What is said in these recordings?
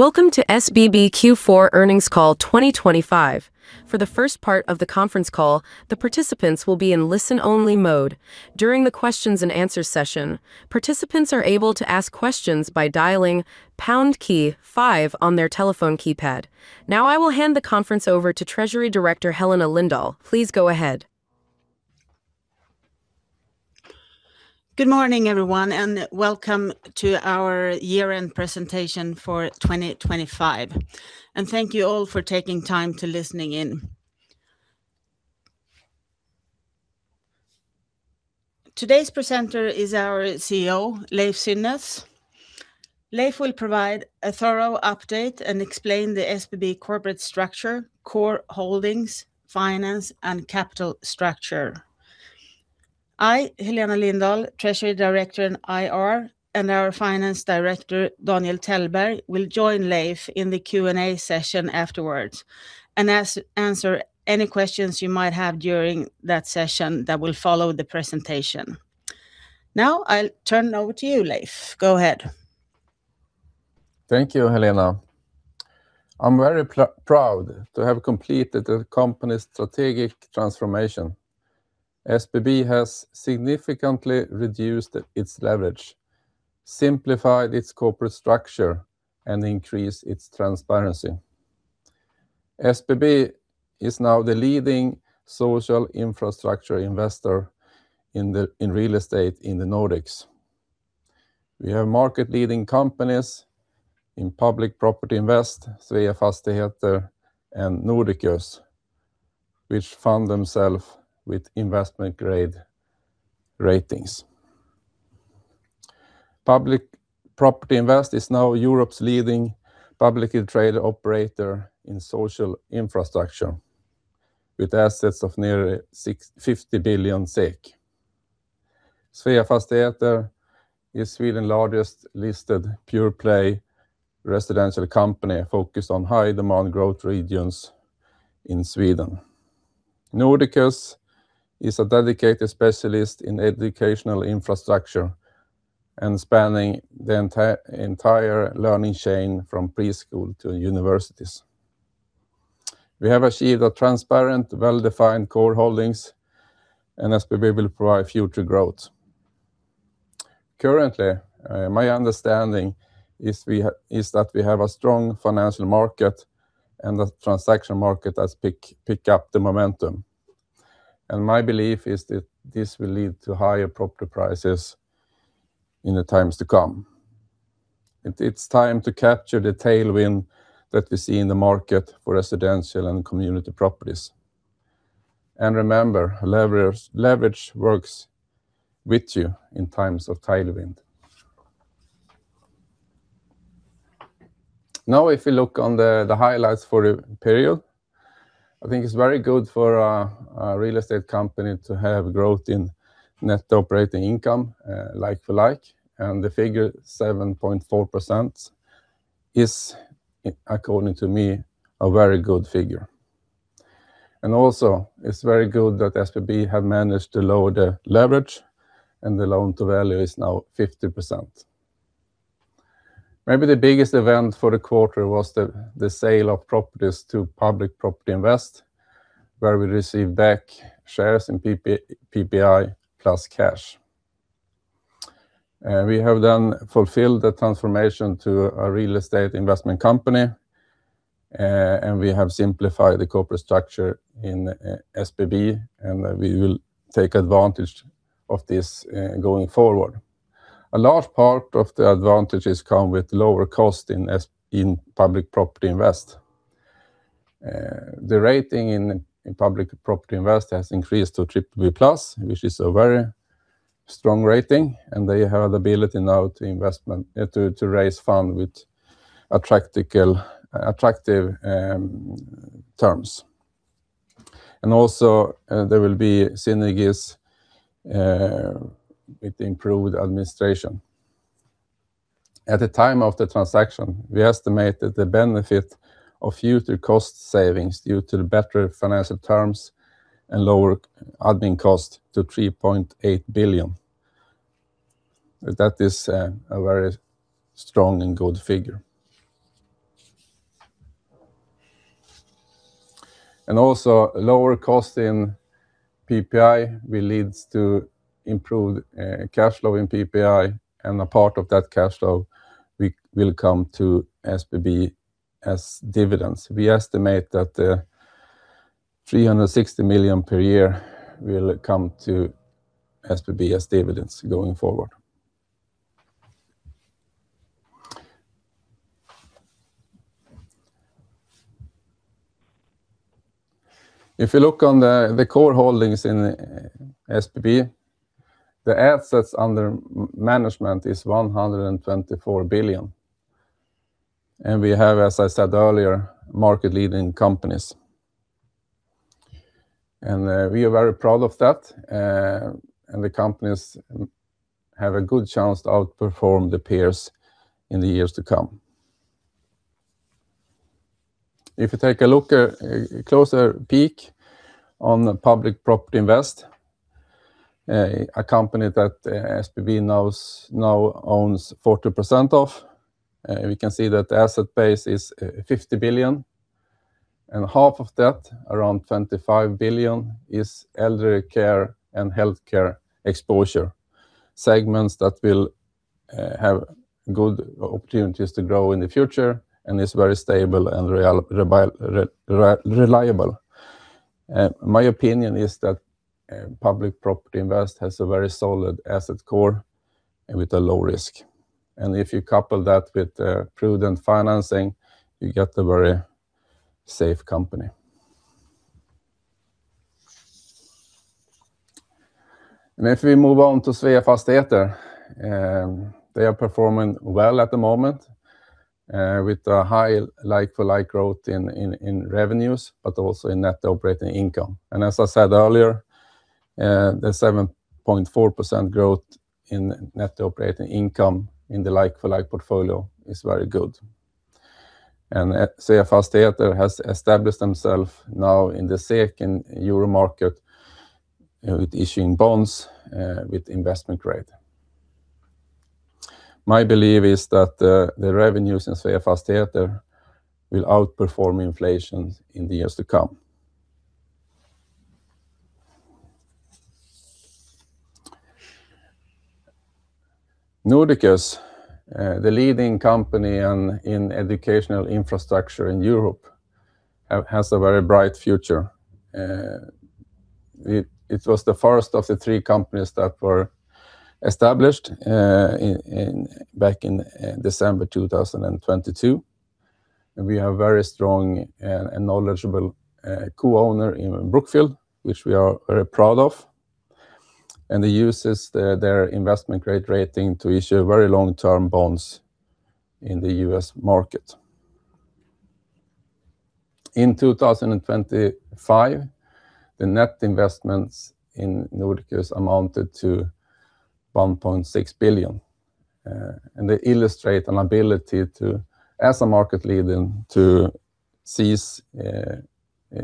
Welcome to SBB Q4 earnings call 2025. For the first part of the conference call, the participants will be in listen-only mode. During the questions and answer session, participants are able to ask questions by dialing pound key five on their telephone keypad. I will hand the conference over to Treasury Director, Helena Lindahl. Please go ahead. Good morning, everyone, and welcome to our year-end presentation for 2025, and thank you all for taking time to listening in. Today's presenter is our CEO, Leiv Synnes. Leiv will provide a thorough update and explain the SBB corporate structure, core holdings, finance, and capital structure. I, Helena Lindahl, Treasury Director in IR, and our Finance Director, Daniel Tellberg, will join Leiv in the Q&A session afterwards, and answer any questions you might have during that session that will follow the presentation. Now, I'll turn it over to you, Leiv. Go ahead. Thank you, Helena. I'm very proud to have completed the company's strategic transformation. SBB has significantly reduced its leverage, simplified its corporate structure, and increased its transparency. SBB is now the leading social infrastructure investor in real estate in the Nordics. We have market-leading companies in Public Property Invest, Sveafastigheter, and Nordiqus, which found themselves with investment-grade ratings. Public Property Invest is now Europe's leading public trade operator in social infrastructure, with assets of nearly 50 billion SEK. Sveafastigheter is Sweden's largest listed pure-play residential company, focused on high-demand growth regions in Sweden. Nordiqus is a dedicated specialist in educational infrastructure and spanning the entire learning chain from preschool to universities. We have achieved a transparent, well-defined core holdings, and SBB will provide future growth. Currently, my understanding is we have a strong financial market. The transaction market has picked up the momentum. My belief is that this will lead to higher property prices in the times to come. It's time to capture the tailwind that we see in the market for residential and community properties. Remember, leverage works with you in times of tailwind. Now, if you look on the highlights for the period, I think it's very good for a real estate company to have growth in net operating income like-for-like. The figure 7.4% is, according to me, a very good figure. Also, it's very good that SBB have managed to lower the leverage. The loan to value is now 50%. Maybe the biggest event for the quarter was the sale of properties to Public Property Invest, where we received back shares in PPI plus cash. We have then fulfilled the transformation to a real estate investment company, and we have simplified the corporate structure in SBB. We will take advantage of this going forward. A large part of the advantages come with lower cost in Public Property Invest. The rating in Public Property Invest has increased to BBB+, which is a very strong rating, and they have the ability now to raise funds with attractive terms. Also, there will be synergies with improved administration. At the time of the transaction, we estimated the benefit of future cost savings due to the better financial terms and lower admin cost to 3.8 billion. That is a very strong and good figure. Also, lower cost in PPI will leads to improved cash flow in PPI, and a part of that cash flow will come to SBB as dividends. We estimate that 360 million per year will come to SBB as dividends going forward. If you look on the core holdings in SBB, the assets under management is 124 billion, and we have, as I said earlier, market-leading companies. We are very proud of that, and the companies have a good chance to outperform their peers in the years to come. If you take a look, a closer peek on the Public Property Invest, a company that SBB now owns 40% of, we can see that the asset base is 50 billion, and half of that, around 25 billion, is elderly care and healthcare exposure. Segments that will have good opportunities to grow in the future, and is very stable and reliable. My opinion is that Public Property Invest has a very solid asset core and with a low risk. If you couple that with prudent financing, you get a very safe company. If we move on to Sveafastigheter, they are performing well at the moment, with a high like-for-like growth in revenues, but also in net operating income. As I said earlier, the 7.4% growth in net operating income in the like-for-like portfolio is very good. Sveafastigheter has established themself now in the SEK and Euro market with issuing bonds with investment grade. My belief is that the revenues in Sveafastigheter will outperform inflation in the years to come. Nordiqus, the leading company on, in educational infrastructure in Europe, has a very bright future. It was the first of the three companies that were established back in December 2022. We have very strong and knowledgeable co-owner in Brookfield, which we are very proud of, and they uses their investment grade rating to issue very long-term bonds in the US market. In 2025, the net investments in Nordiqus amounted to 1.6 billion, and they illustrate an ability to, as a market leader, to seize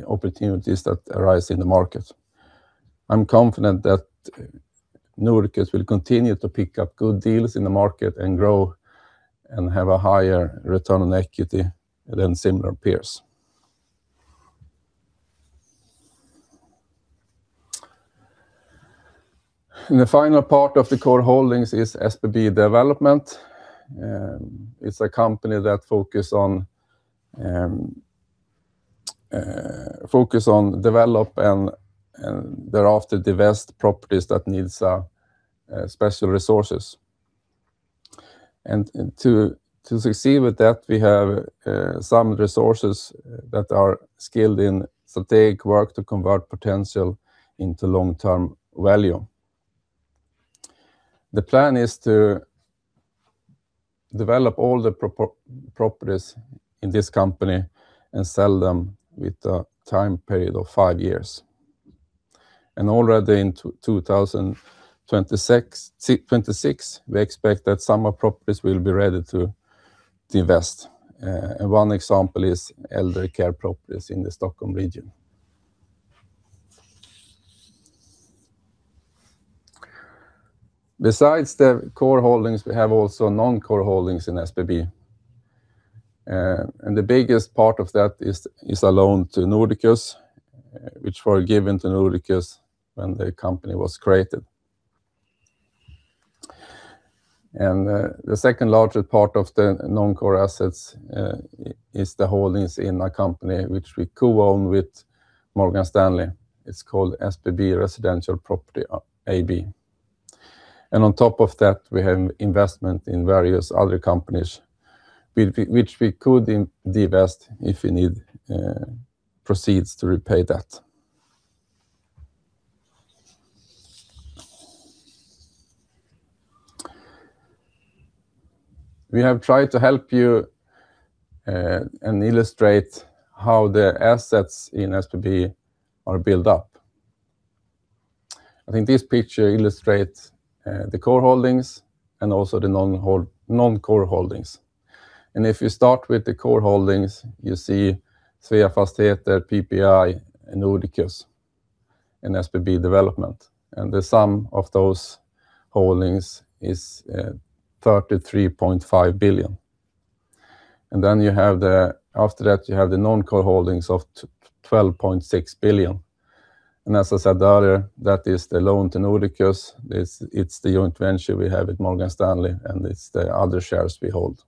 opportunities that arise in the market. I'm confident that Nordiqus will continue to pick up good deals in the market and grow and have a higher return on equity than similar peers. The final part of the core holdings is SBB Development. It's a company that focus on develop and thereafter, divest properties that needs special resources. To succeed with that, we have some resources that are skilled in strategic work to convert potential into long-term value. The plan is to develop all the properties in this company and sell them with a time period of five years. Already in 2026. 26, we expect that some properties will be ready to divest, and one example is elderly care properties in the Stockholm region. Besides the core holdings, we have also non-core holdings in SBB. The biggest part of that is a loan to Nordiqus, which were given to Nordiqus when the company was created. The second-largest part of the non-core assets is the holdings in a company which we co-own with Morgan Stanley. It's called SBB Residential Property AB. On top of that, we have investment in various other companies, which we could divest if we need proceeds to repay debt. We have tried to help you and illustrate how the assets in SBB are built up. I think this picture illustrates the core holdings and also the non-core holdings. If you start with the core holdings, you see Sveafastigheter, PPI, Nordiqus, and SBB Development, and the sum of those holdings is 33.5 billion. After that, you have the non-core holdings of 12.6 billion, and as I said earlier, that is the loan to Nordiqus. It's the joint venture we have with Morgan Stanley, and it's the other shares we hold.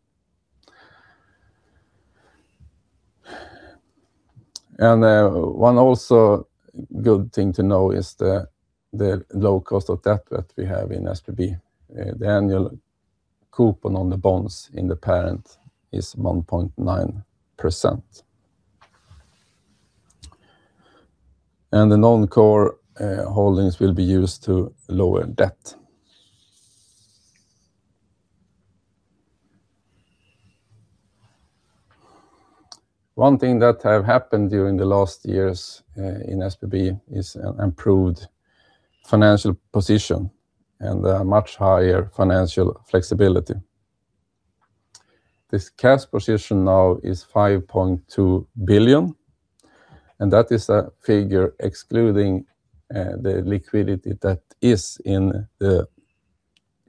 One also good thing to know is the low cost of debt that we have in SBB. The annual coupon on the bonds in the parent is 1.9%. The non-core holdings will be used to lower debt. One thing that have happened during the last years in SBB is an improved financial position and a much higher financial flexibility. This cash position now is 5.2 billion. That is a figure excluding the liquidity that is in the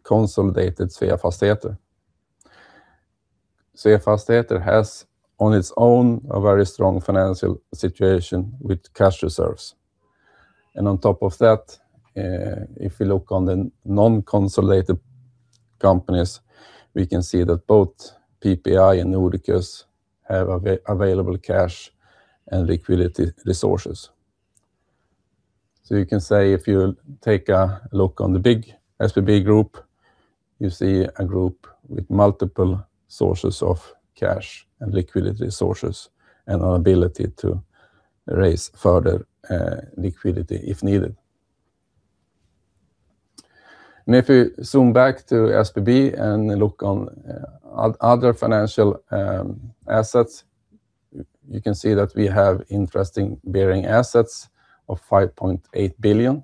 consolidated Sveafastigheter. Sveafastigheter has, on its own, a very strong financial situation with cash reserves. On top of that, if you look on the non-consolidated companies, we can see that both PPI and Nordiqus have available cash and liquidity resources. You can say, if you take a look on the big SBB group, you see a group with multiple sources of cash and liquidity sources, and an ability to raise further liquidity if needed. If you zoom back to SBB and look on other financial assets, you can see that we have interesting bearing assets of 5.8 billion,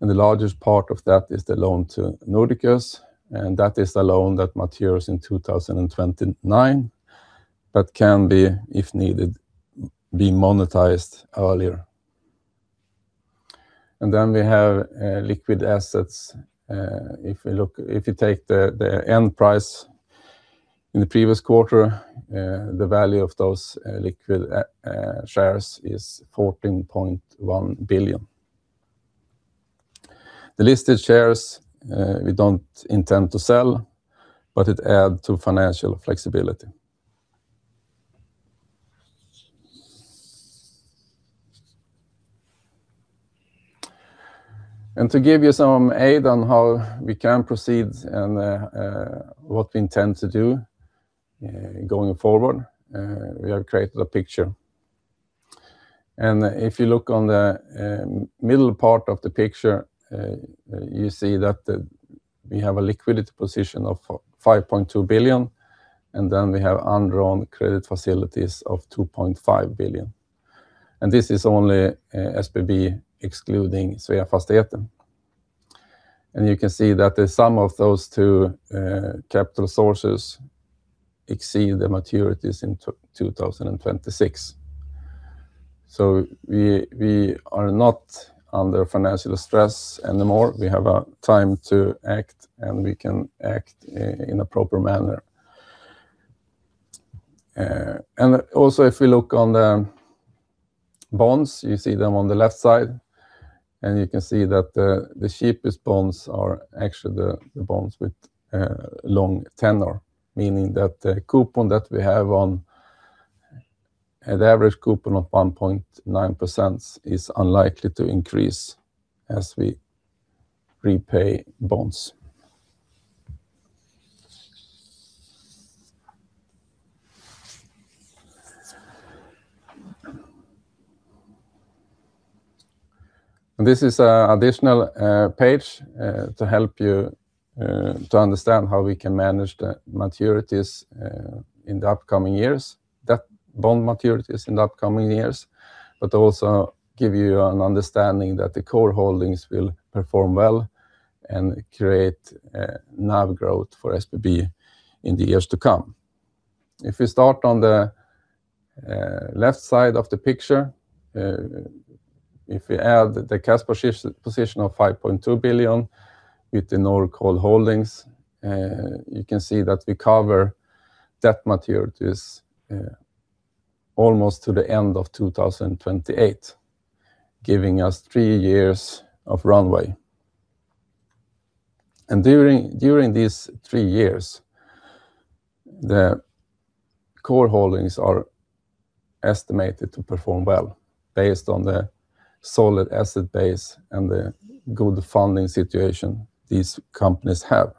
and the largest part of that is the loan to Nordiqus, and that is the loan that matures in 2029, but can be, if needed, monetized earlier. We have liquid assets. If you take the end price in the previous quarter, the value of those liquid shares is 14.1 billion. The listed shares, we don't intend to sell, but it add to financial flexibility. To give you some aid on how we can proceed and what we intend to do going forward, we have created a picture. If you look on the middle part of the picture, you see that we have a liquidity position of 5.2 billion, we have undrawn credit facilities of 2.5 billion, and this is only SBB excluding Sveafastigheter. You can see that the sum of those two capital sources exceed the maturities in 2026. We are not under financial stress anymore. We have time to act, and we can act in a proper manner. If you look on the bonds, you see them on the left side, you can see that the cheapest bonds are actually the bonds with long tenor, meaning that the coupon that we have on... At average coupon of 1.9% is unlikely to increase as we repay bonds. This is a additional page to help you to understand how we can manage the maturities in the upcoming years, debt bond maturities in the upcoming years, but also give you an understanding that the core holdings will perform well and create NAV growth for SBB in the years to come. If we start on the left side of the picture, if we add the cash position of 5.2 billion with the Nordiqus holdings, you can see that we cover debt maturities almost to the end of 2028, giving us three years of runway. During these three years, the core holdings are estimated to perform well based on the solid asset base and the good funding situation these companies have.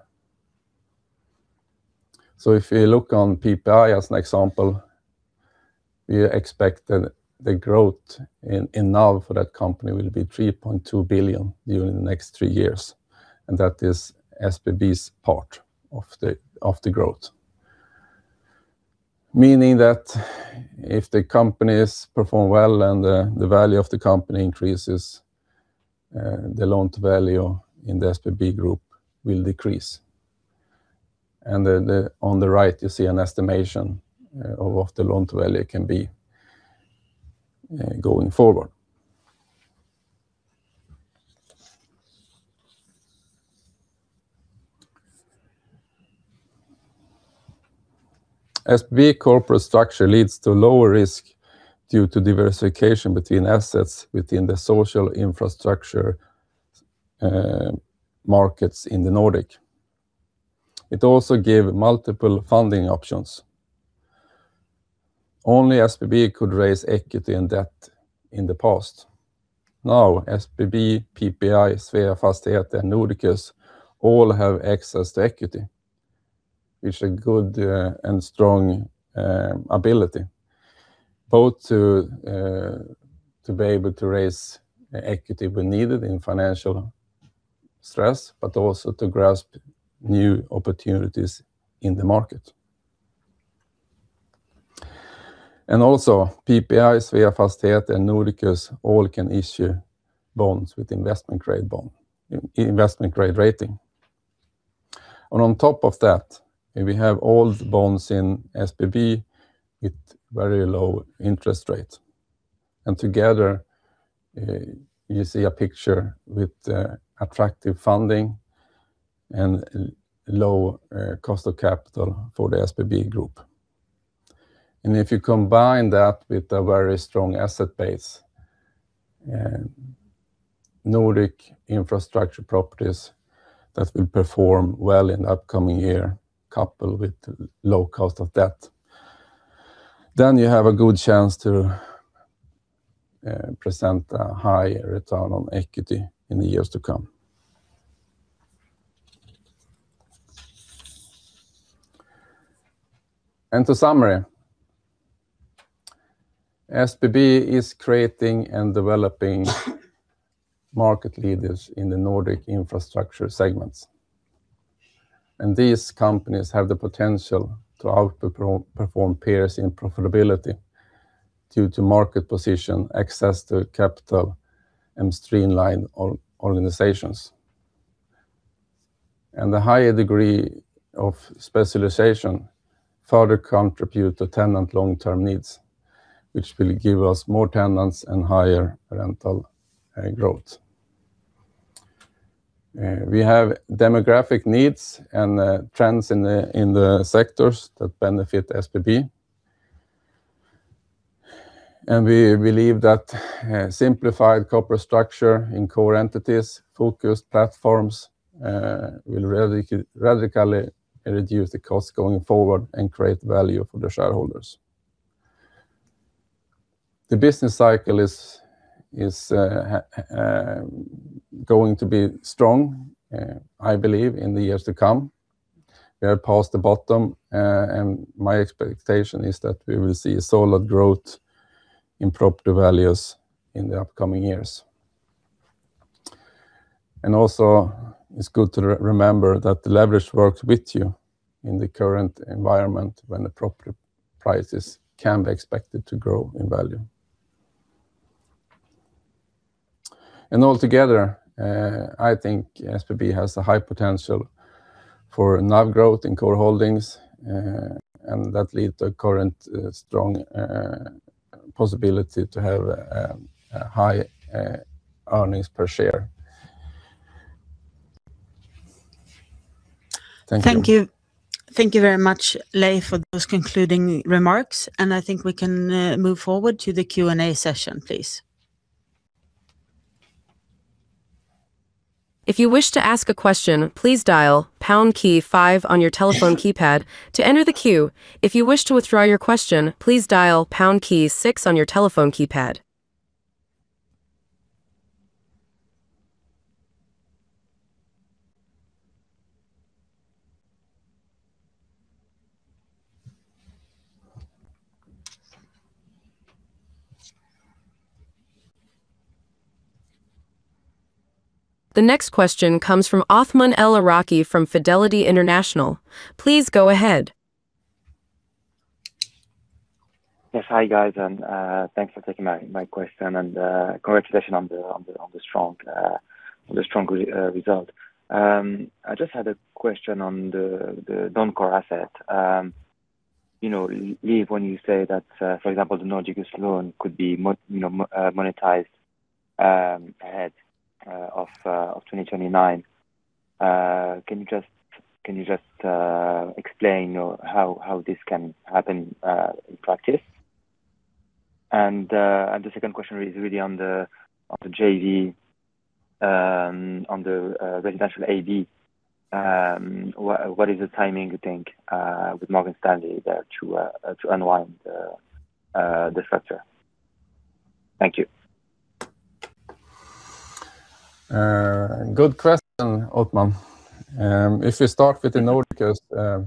If you look on PPI as an example, we expect that the growth in NAV for that company will be 3.2 billion during the next three years, and that is SBB's part of the growth. Meaning that if the companies perform well and the value of the company increases, the loan to value in the SBB group will decrease. On the right, you see an estimation of what the loan to value can be going forward. SBB corporate structure leads to lower risk due to diversification between assets within the social infrastructure markets in the Nordic. It also give multiple funding options. Only SBB could raise equity and debt in the past. Now, SBB, PPI, Sveafastigheter, Nordiqus, all have access to equity, which a good, and strong, ability, both to be able to raise equity we needed in financial stress, but also to grasp new opportunities in the market. PPI, Sveafastigheter, and Nordiqus all can issue bonds with investment grade bond, investment grade rating. On top of that, we have all the bonds in SBB with very low interest rate. Together, you see a picture with attractive funding and low, cost of capital for the SBB group. If you combine that with a very strong asset base, Nordic infrastructure properties that will perform well in the upcoming year, coupled with low cost of debt, then you have a good chance to present a high return on equity in the years to come. To summary, SBB is creating and developing market leaders in the Nordic infrastructure segments. These companies have the potential to outperform peers in profitability due to market position, access to capital, and streamlined organizations. The higher degree of specialization further contribute to tenant long-term needs, which will give us more tenants and higher rental growth. We have demographic needs and trends in the sectors that benefit SBB. We believe that simplified corporate structure in core entities, focused platforms, will radically reduce the cost going forward and create value for the shareholders. The business cycle is going to be strong, I believe, in the years to come. We are past the bottom. My expectation is that we will see solid growth in property values in the upcoming years. Also, it's good to re-remember that the leverage works with you in the current environment when the property prices can be expected to grow in value. Altogether, I think SBB has a high potential for NAV growth in core holdings, and that leads to current strong possibility to have a high earnings per share. Thank you. Thank you. Thank you very much, Leiv, for those concluding remarks, and I think we can move forward to the Q&A session, please. If you wish to ask a question, please dial pound key five on your telephone keypad to enter the queue. If you wish to withdraw your question, please dial pound key six on your telephone keypad. The next question comes from Othman El Iraki from Fidelity International. Please go ahead. Yes, hi, guys, thanks for taking my question, and congratulations on the strong result. I just had a question on the non-core asset. You know, Leiv, when you say that, for example, the Nordiqus loan could be monetized ahead of 2029, can you just explain or how this can happen in practice? The second question is really on the JV, on the residential JV. What is the timing, you think, with Morgan Stanley there to unwind the structure? Thank you. Good question, Othman. If we start with the Nordiqus,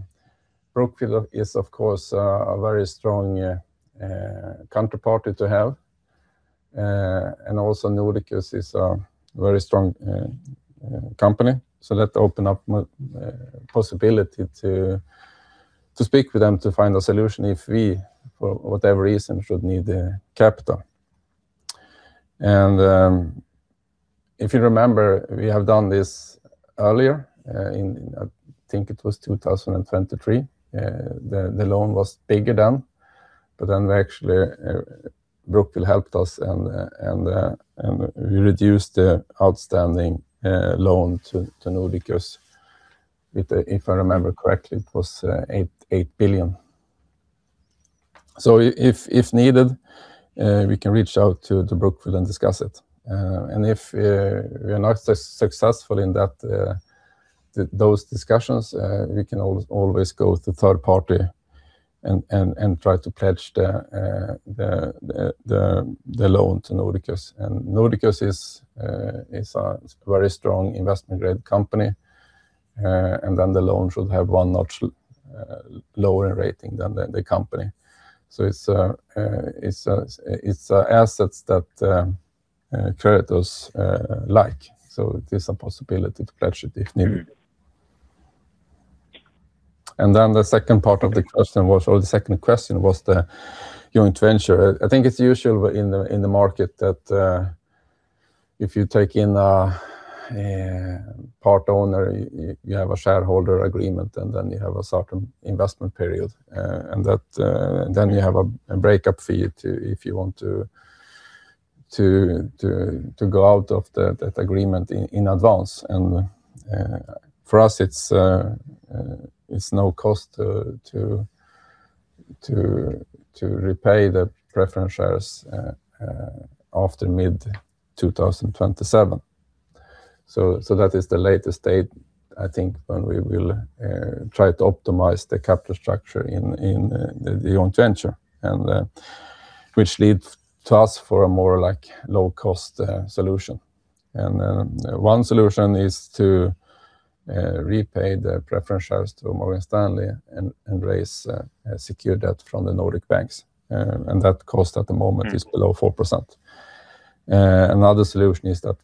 Brookfield is, of course, a very strong counterparty to have, and also Nordiqus is a very strong company, so that open up possibility to speak with them to find a solution if we, for whatever reason, should need the capital. If you remember, we have done this earlier, in, I think it was 2023. The loan was bigger then, but then we actually, Brookfield helped us, and we reduced the outstanding loan to Nordiqus with the... If I remember correctly, it was 8 billion. If needed, we can reach out to Brookfield and discuss it. If we are not successful in that, those discussions, we can always go to third party and try to pledge the loan to Nordiqus. Nordiqus is a very strong investment-grade company, and then the loan should have one notch lower rating than the company. It's a assets that creditors like, so there's a possibility to pledge it if needed. Then the second part of the question was, or the second question was the joint venture. I think it's usual in the market that if you take in a part owner, you have a shareholder agreement, then you have a certain investment period, then you have a breakup fee to if you want to go out of that agreement in advance. For us, it's no cost to repay the preference shares after mid-2027. That is the latest date, I think, when we will try to optimize the capital structure in the joint venture, which leads to us for a more, like, low-cost solution. One solution is to repay the preference shares to Morgan Stanley and raise secure debt from the Nordic banks.that cost at the moment- Mm... is below 4%. Another solution is that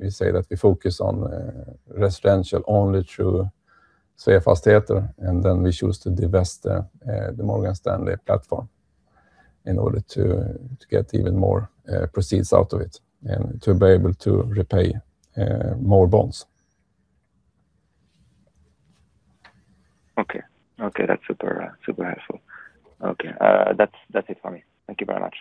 we say that we focus on residential only through Sveafastigheter, and then we choose to divest the Morgan Stanley platform in order to get even more proceeds out of it and to be able to repay more bonds. Okay. Okay, that's super helpful. Okay, that's it for me. Thank you very much.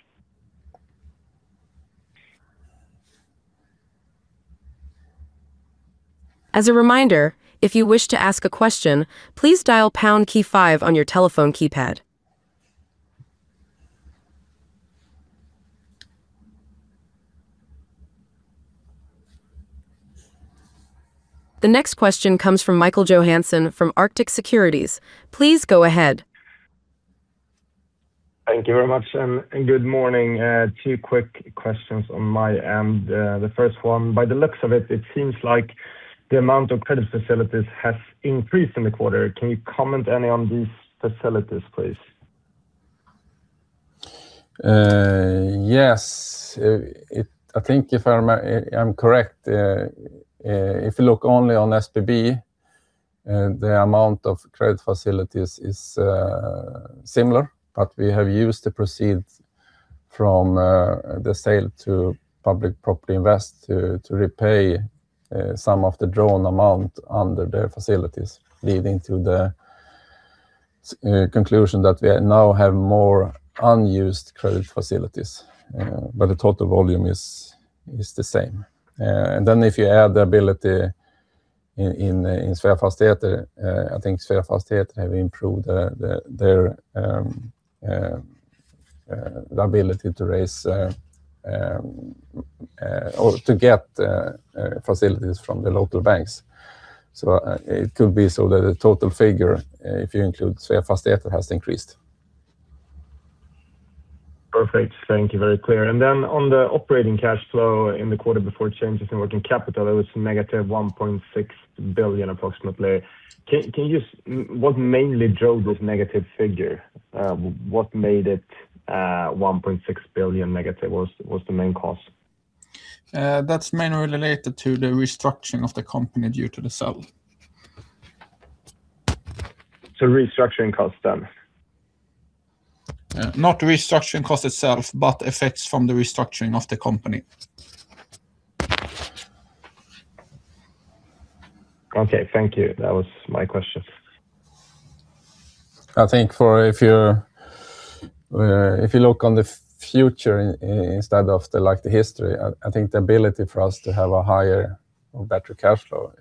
As a reminder, if you wish to ask a question, please dial pound key five on your telephone keypad. The next question comes from Michael Johansson from Arctic Securities. Please go ahead. Thank you very much, and good morning. Two quick questions on my end. The first one, by the looks of it seems like the amount of credit facilities has increased in the quarter. Can you comment any on these facilities, please? Yes. I think if I'm correct, if you look only on SBB, the amount of credit facilities is similar, but we have used the proceeds from the sale to Public Property Invest to repay some of the drawn amount under their facilities, leading to the conclusion that we now have more unused credit facilities, but the total volume is the same. If you add the ability in Sveafastigheter, I think Sveafastigheter have improved the ability to raise or to get facilities from the local banks. It could be so that the total figure, if you include Sveafastigheter, has increased. Perfect. Thank you. Very clear. On the operating cash flow in the quarter before changes in working capital, it was negative 1.6 billion, approximately. What mainly drove this negative figure? What made it 1.6 billion negative? What was the main cause? That's mainly related to the restructuring of the company due to the sale. Restructuring cost, then? Not restructuring cost itself, but effects from the restructuring of the company. Okay, thank you. That was my questions. I think if you look on the future instead of the, like, the history, I think the ability for us to have a higher or better cash flow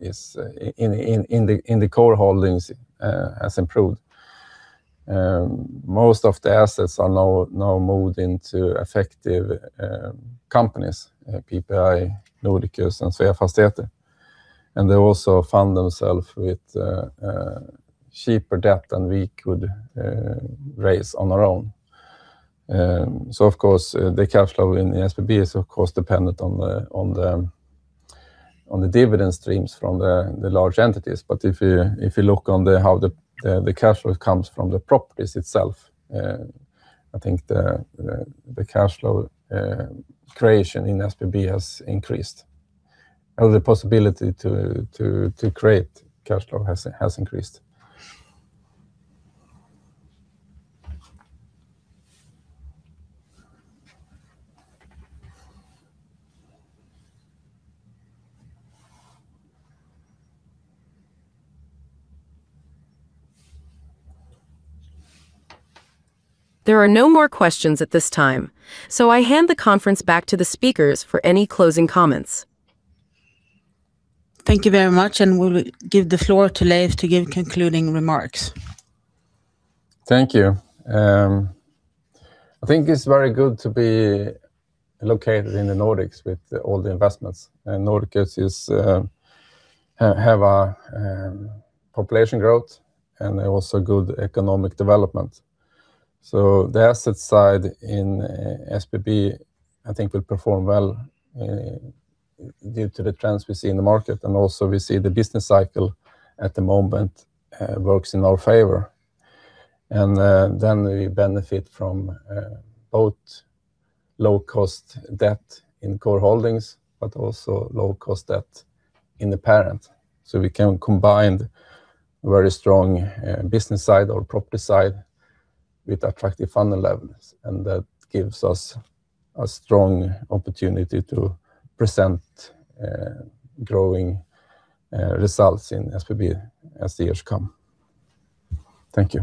is in the core holdings has improved. Most of the assets are now moved into effective companies, PPI, Nordiqus, and Sveafastigheter, and they also found themselves with cheaper debt than we could raise on our own. Of course, the cash flow in the SBB is, of course, dependent on the dividend streams from the large entities. If you look on the, how the cash flow comes from the properties itself, I think the cash flow creation in SBB has increased, or the possibility to create cash flow has increased. There are no more questions at this time, so I hand the conference back to the speakers for any closing comments. Thank you very much, and we'll give the floor to Leiv to give concluding remarks. Thank you. I think it's very good to be located in the Nordics with all the investments, and Nordics is have a population growth and also good economic development. The asset side in SBB, I think, will perform well due to the trends we see in the market, and also we see the business cycle at the moment works in our favor. We benefit from both low-cost debt in core holdings, but also low-cost debt in the parent. We can combine very strong business side or property side with attractive funding levels, and that gives us a strong opportunity to present growing results in SBB as the years come. Thank you.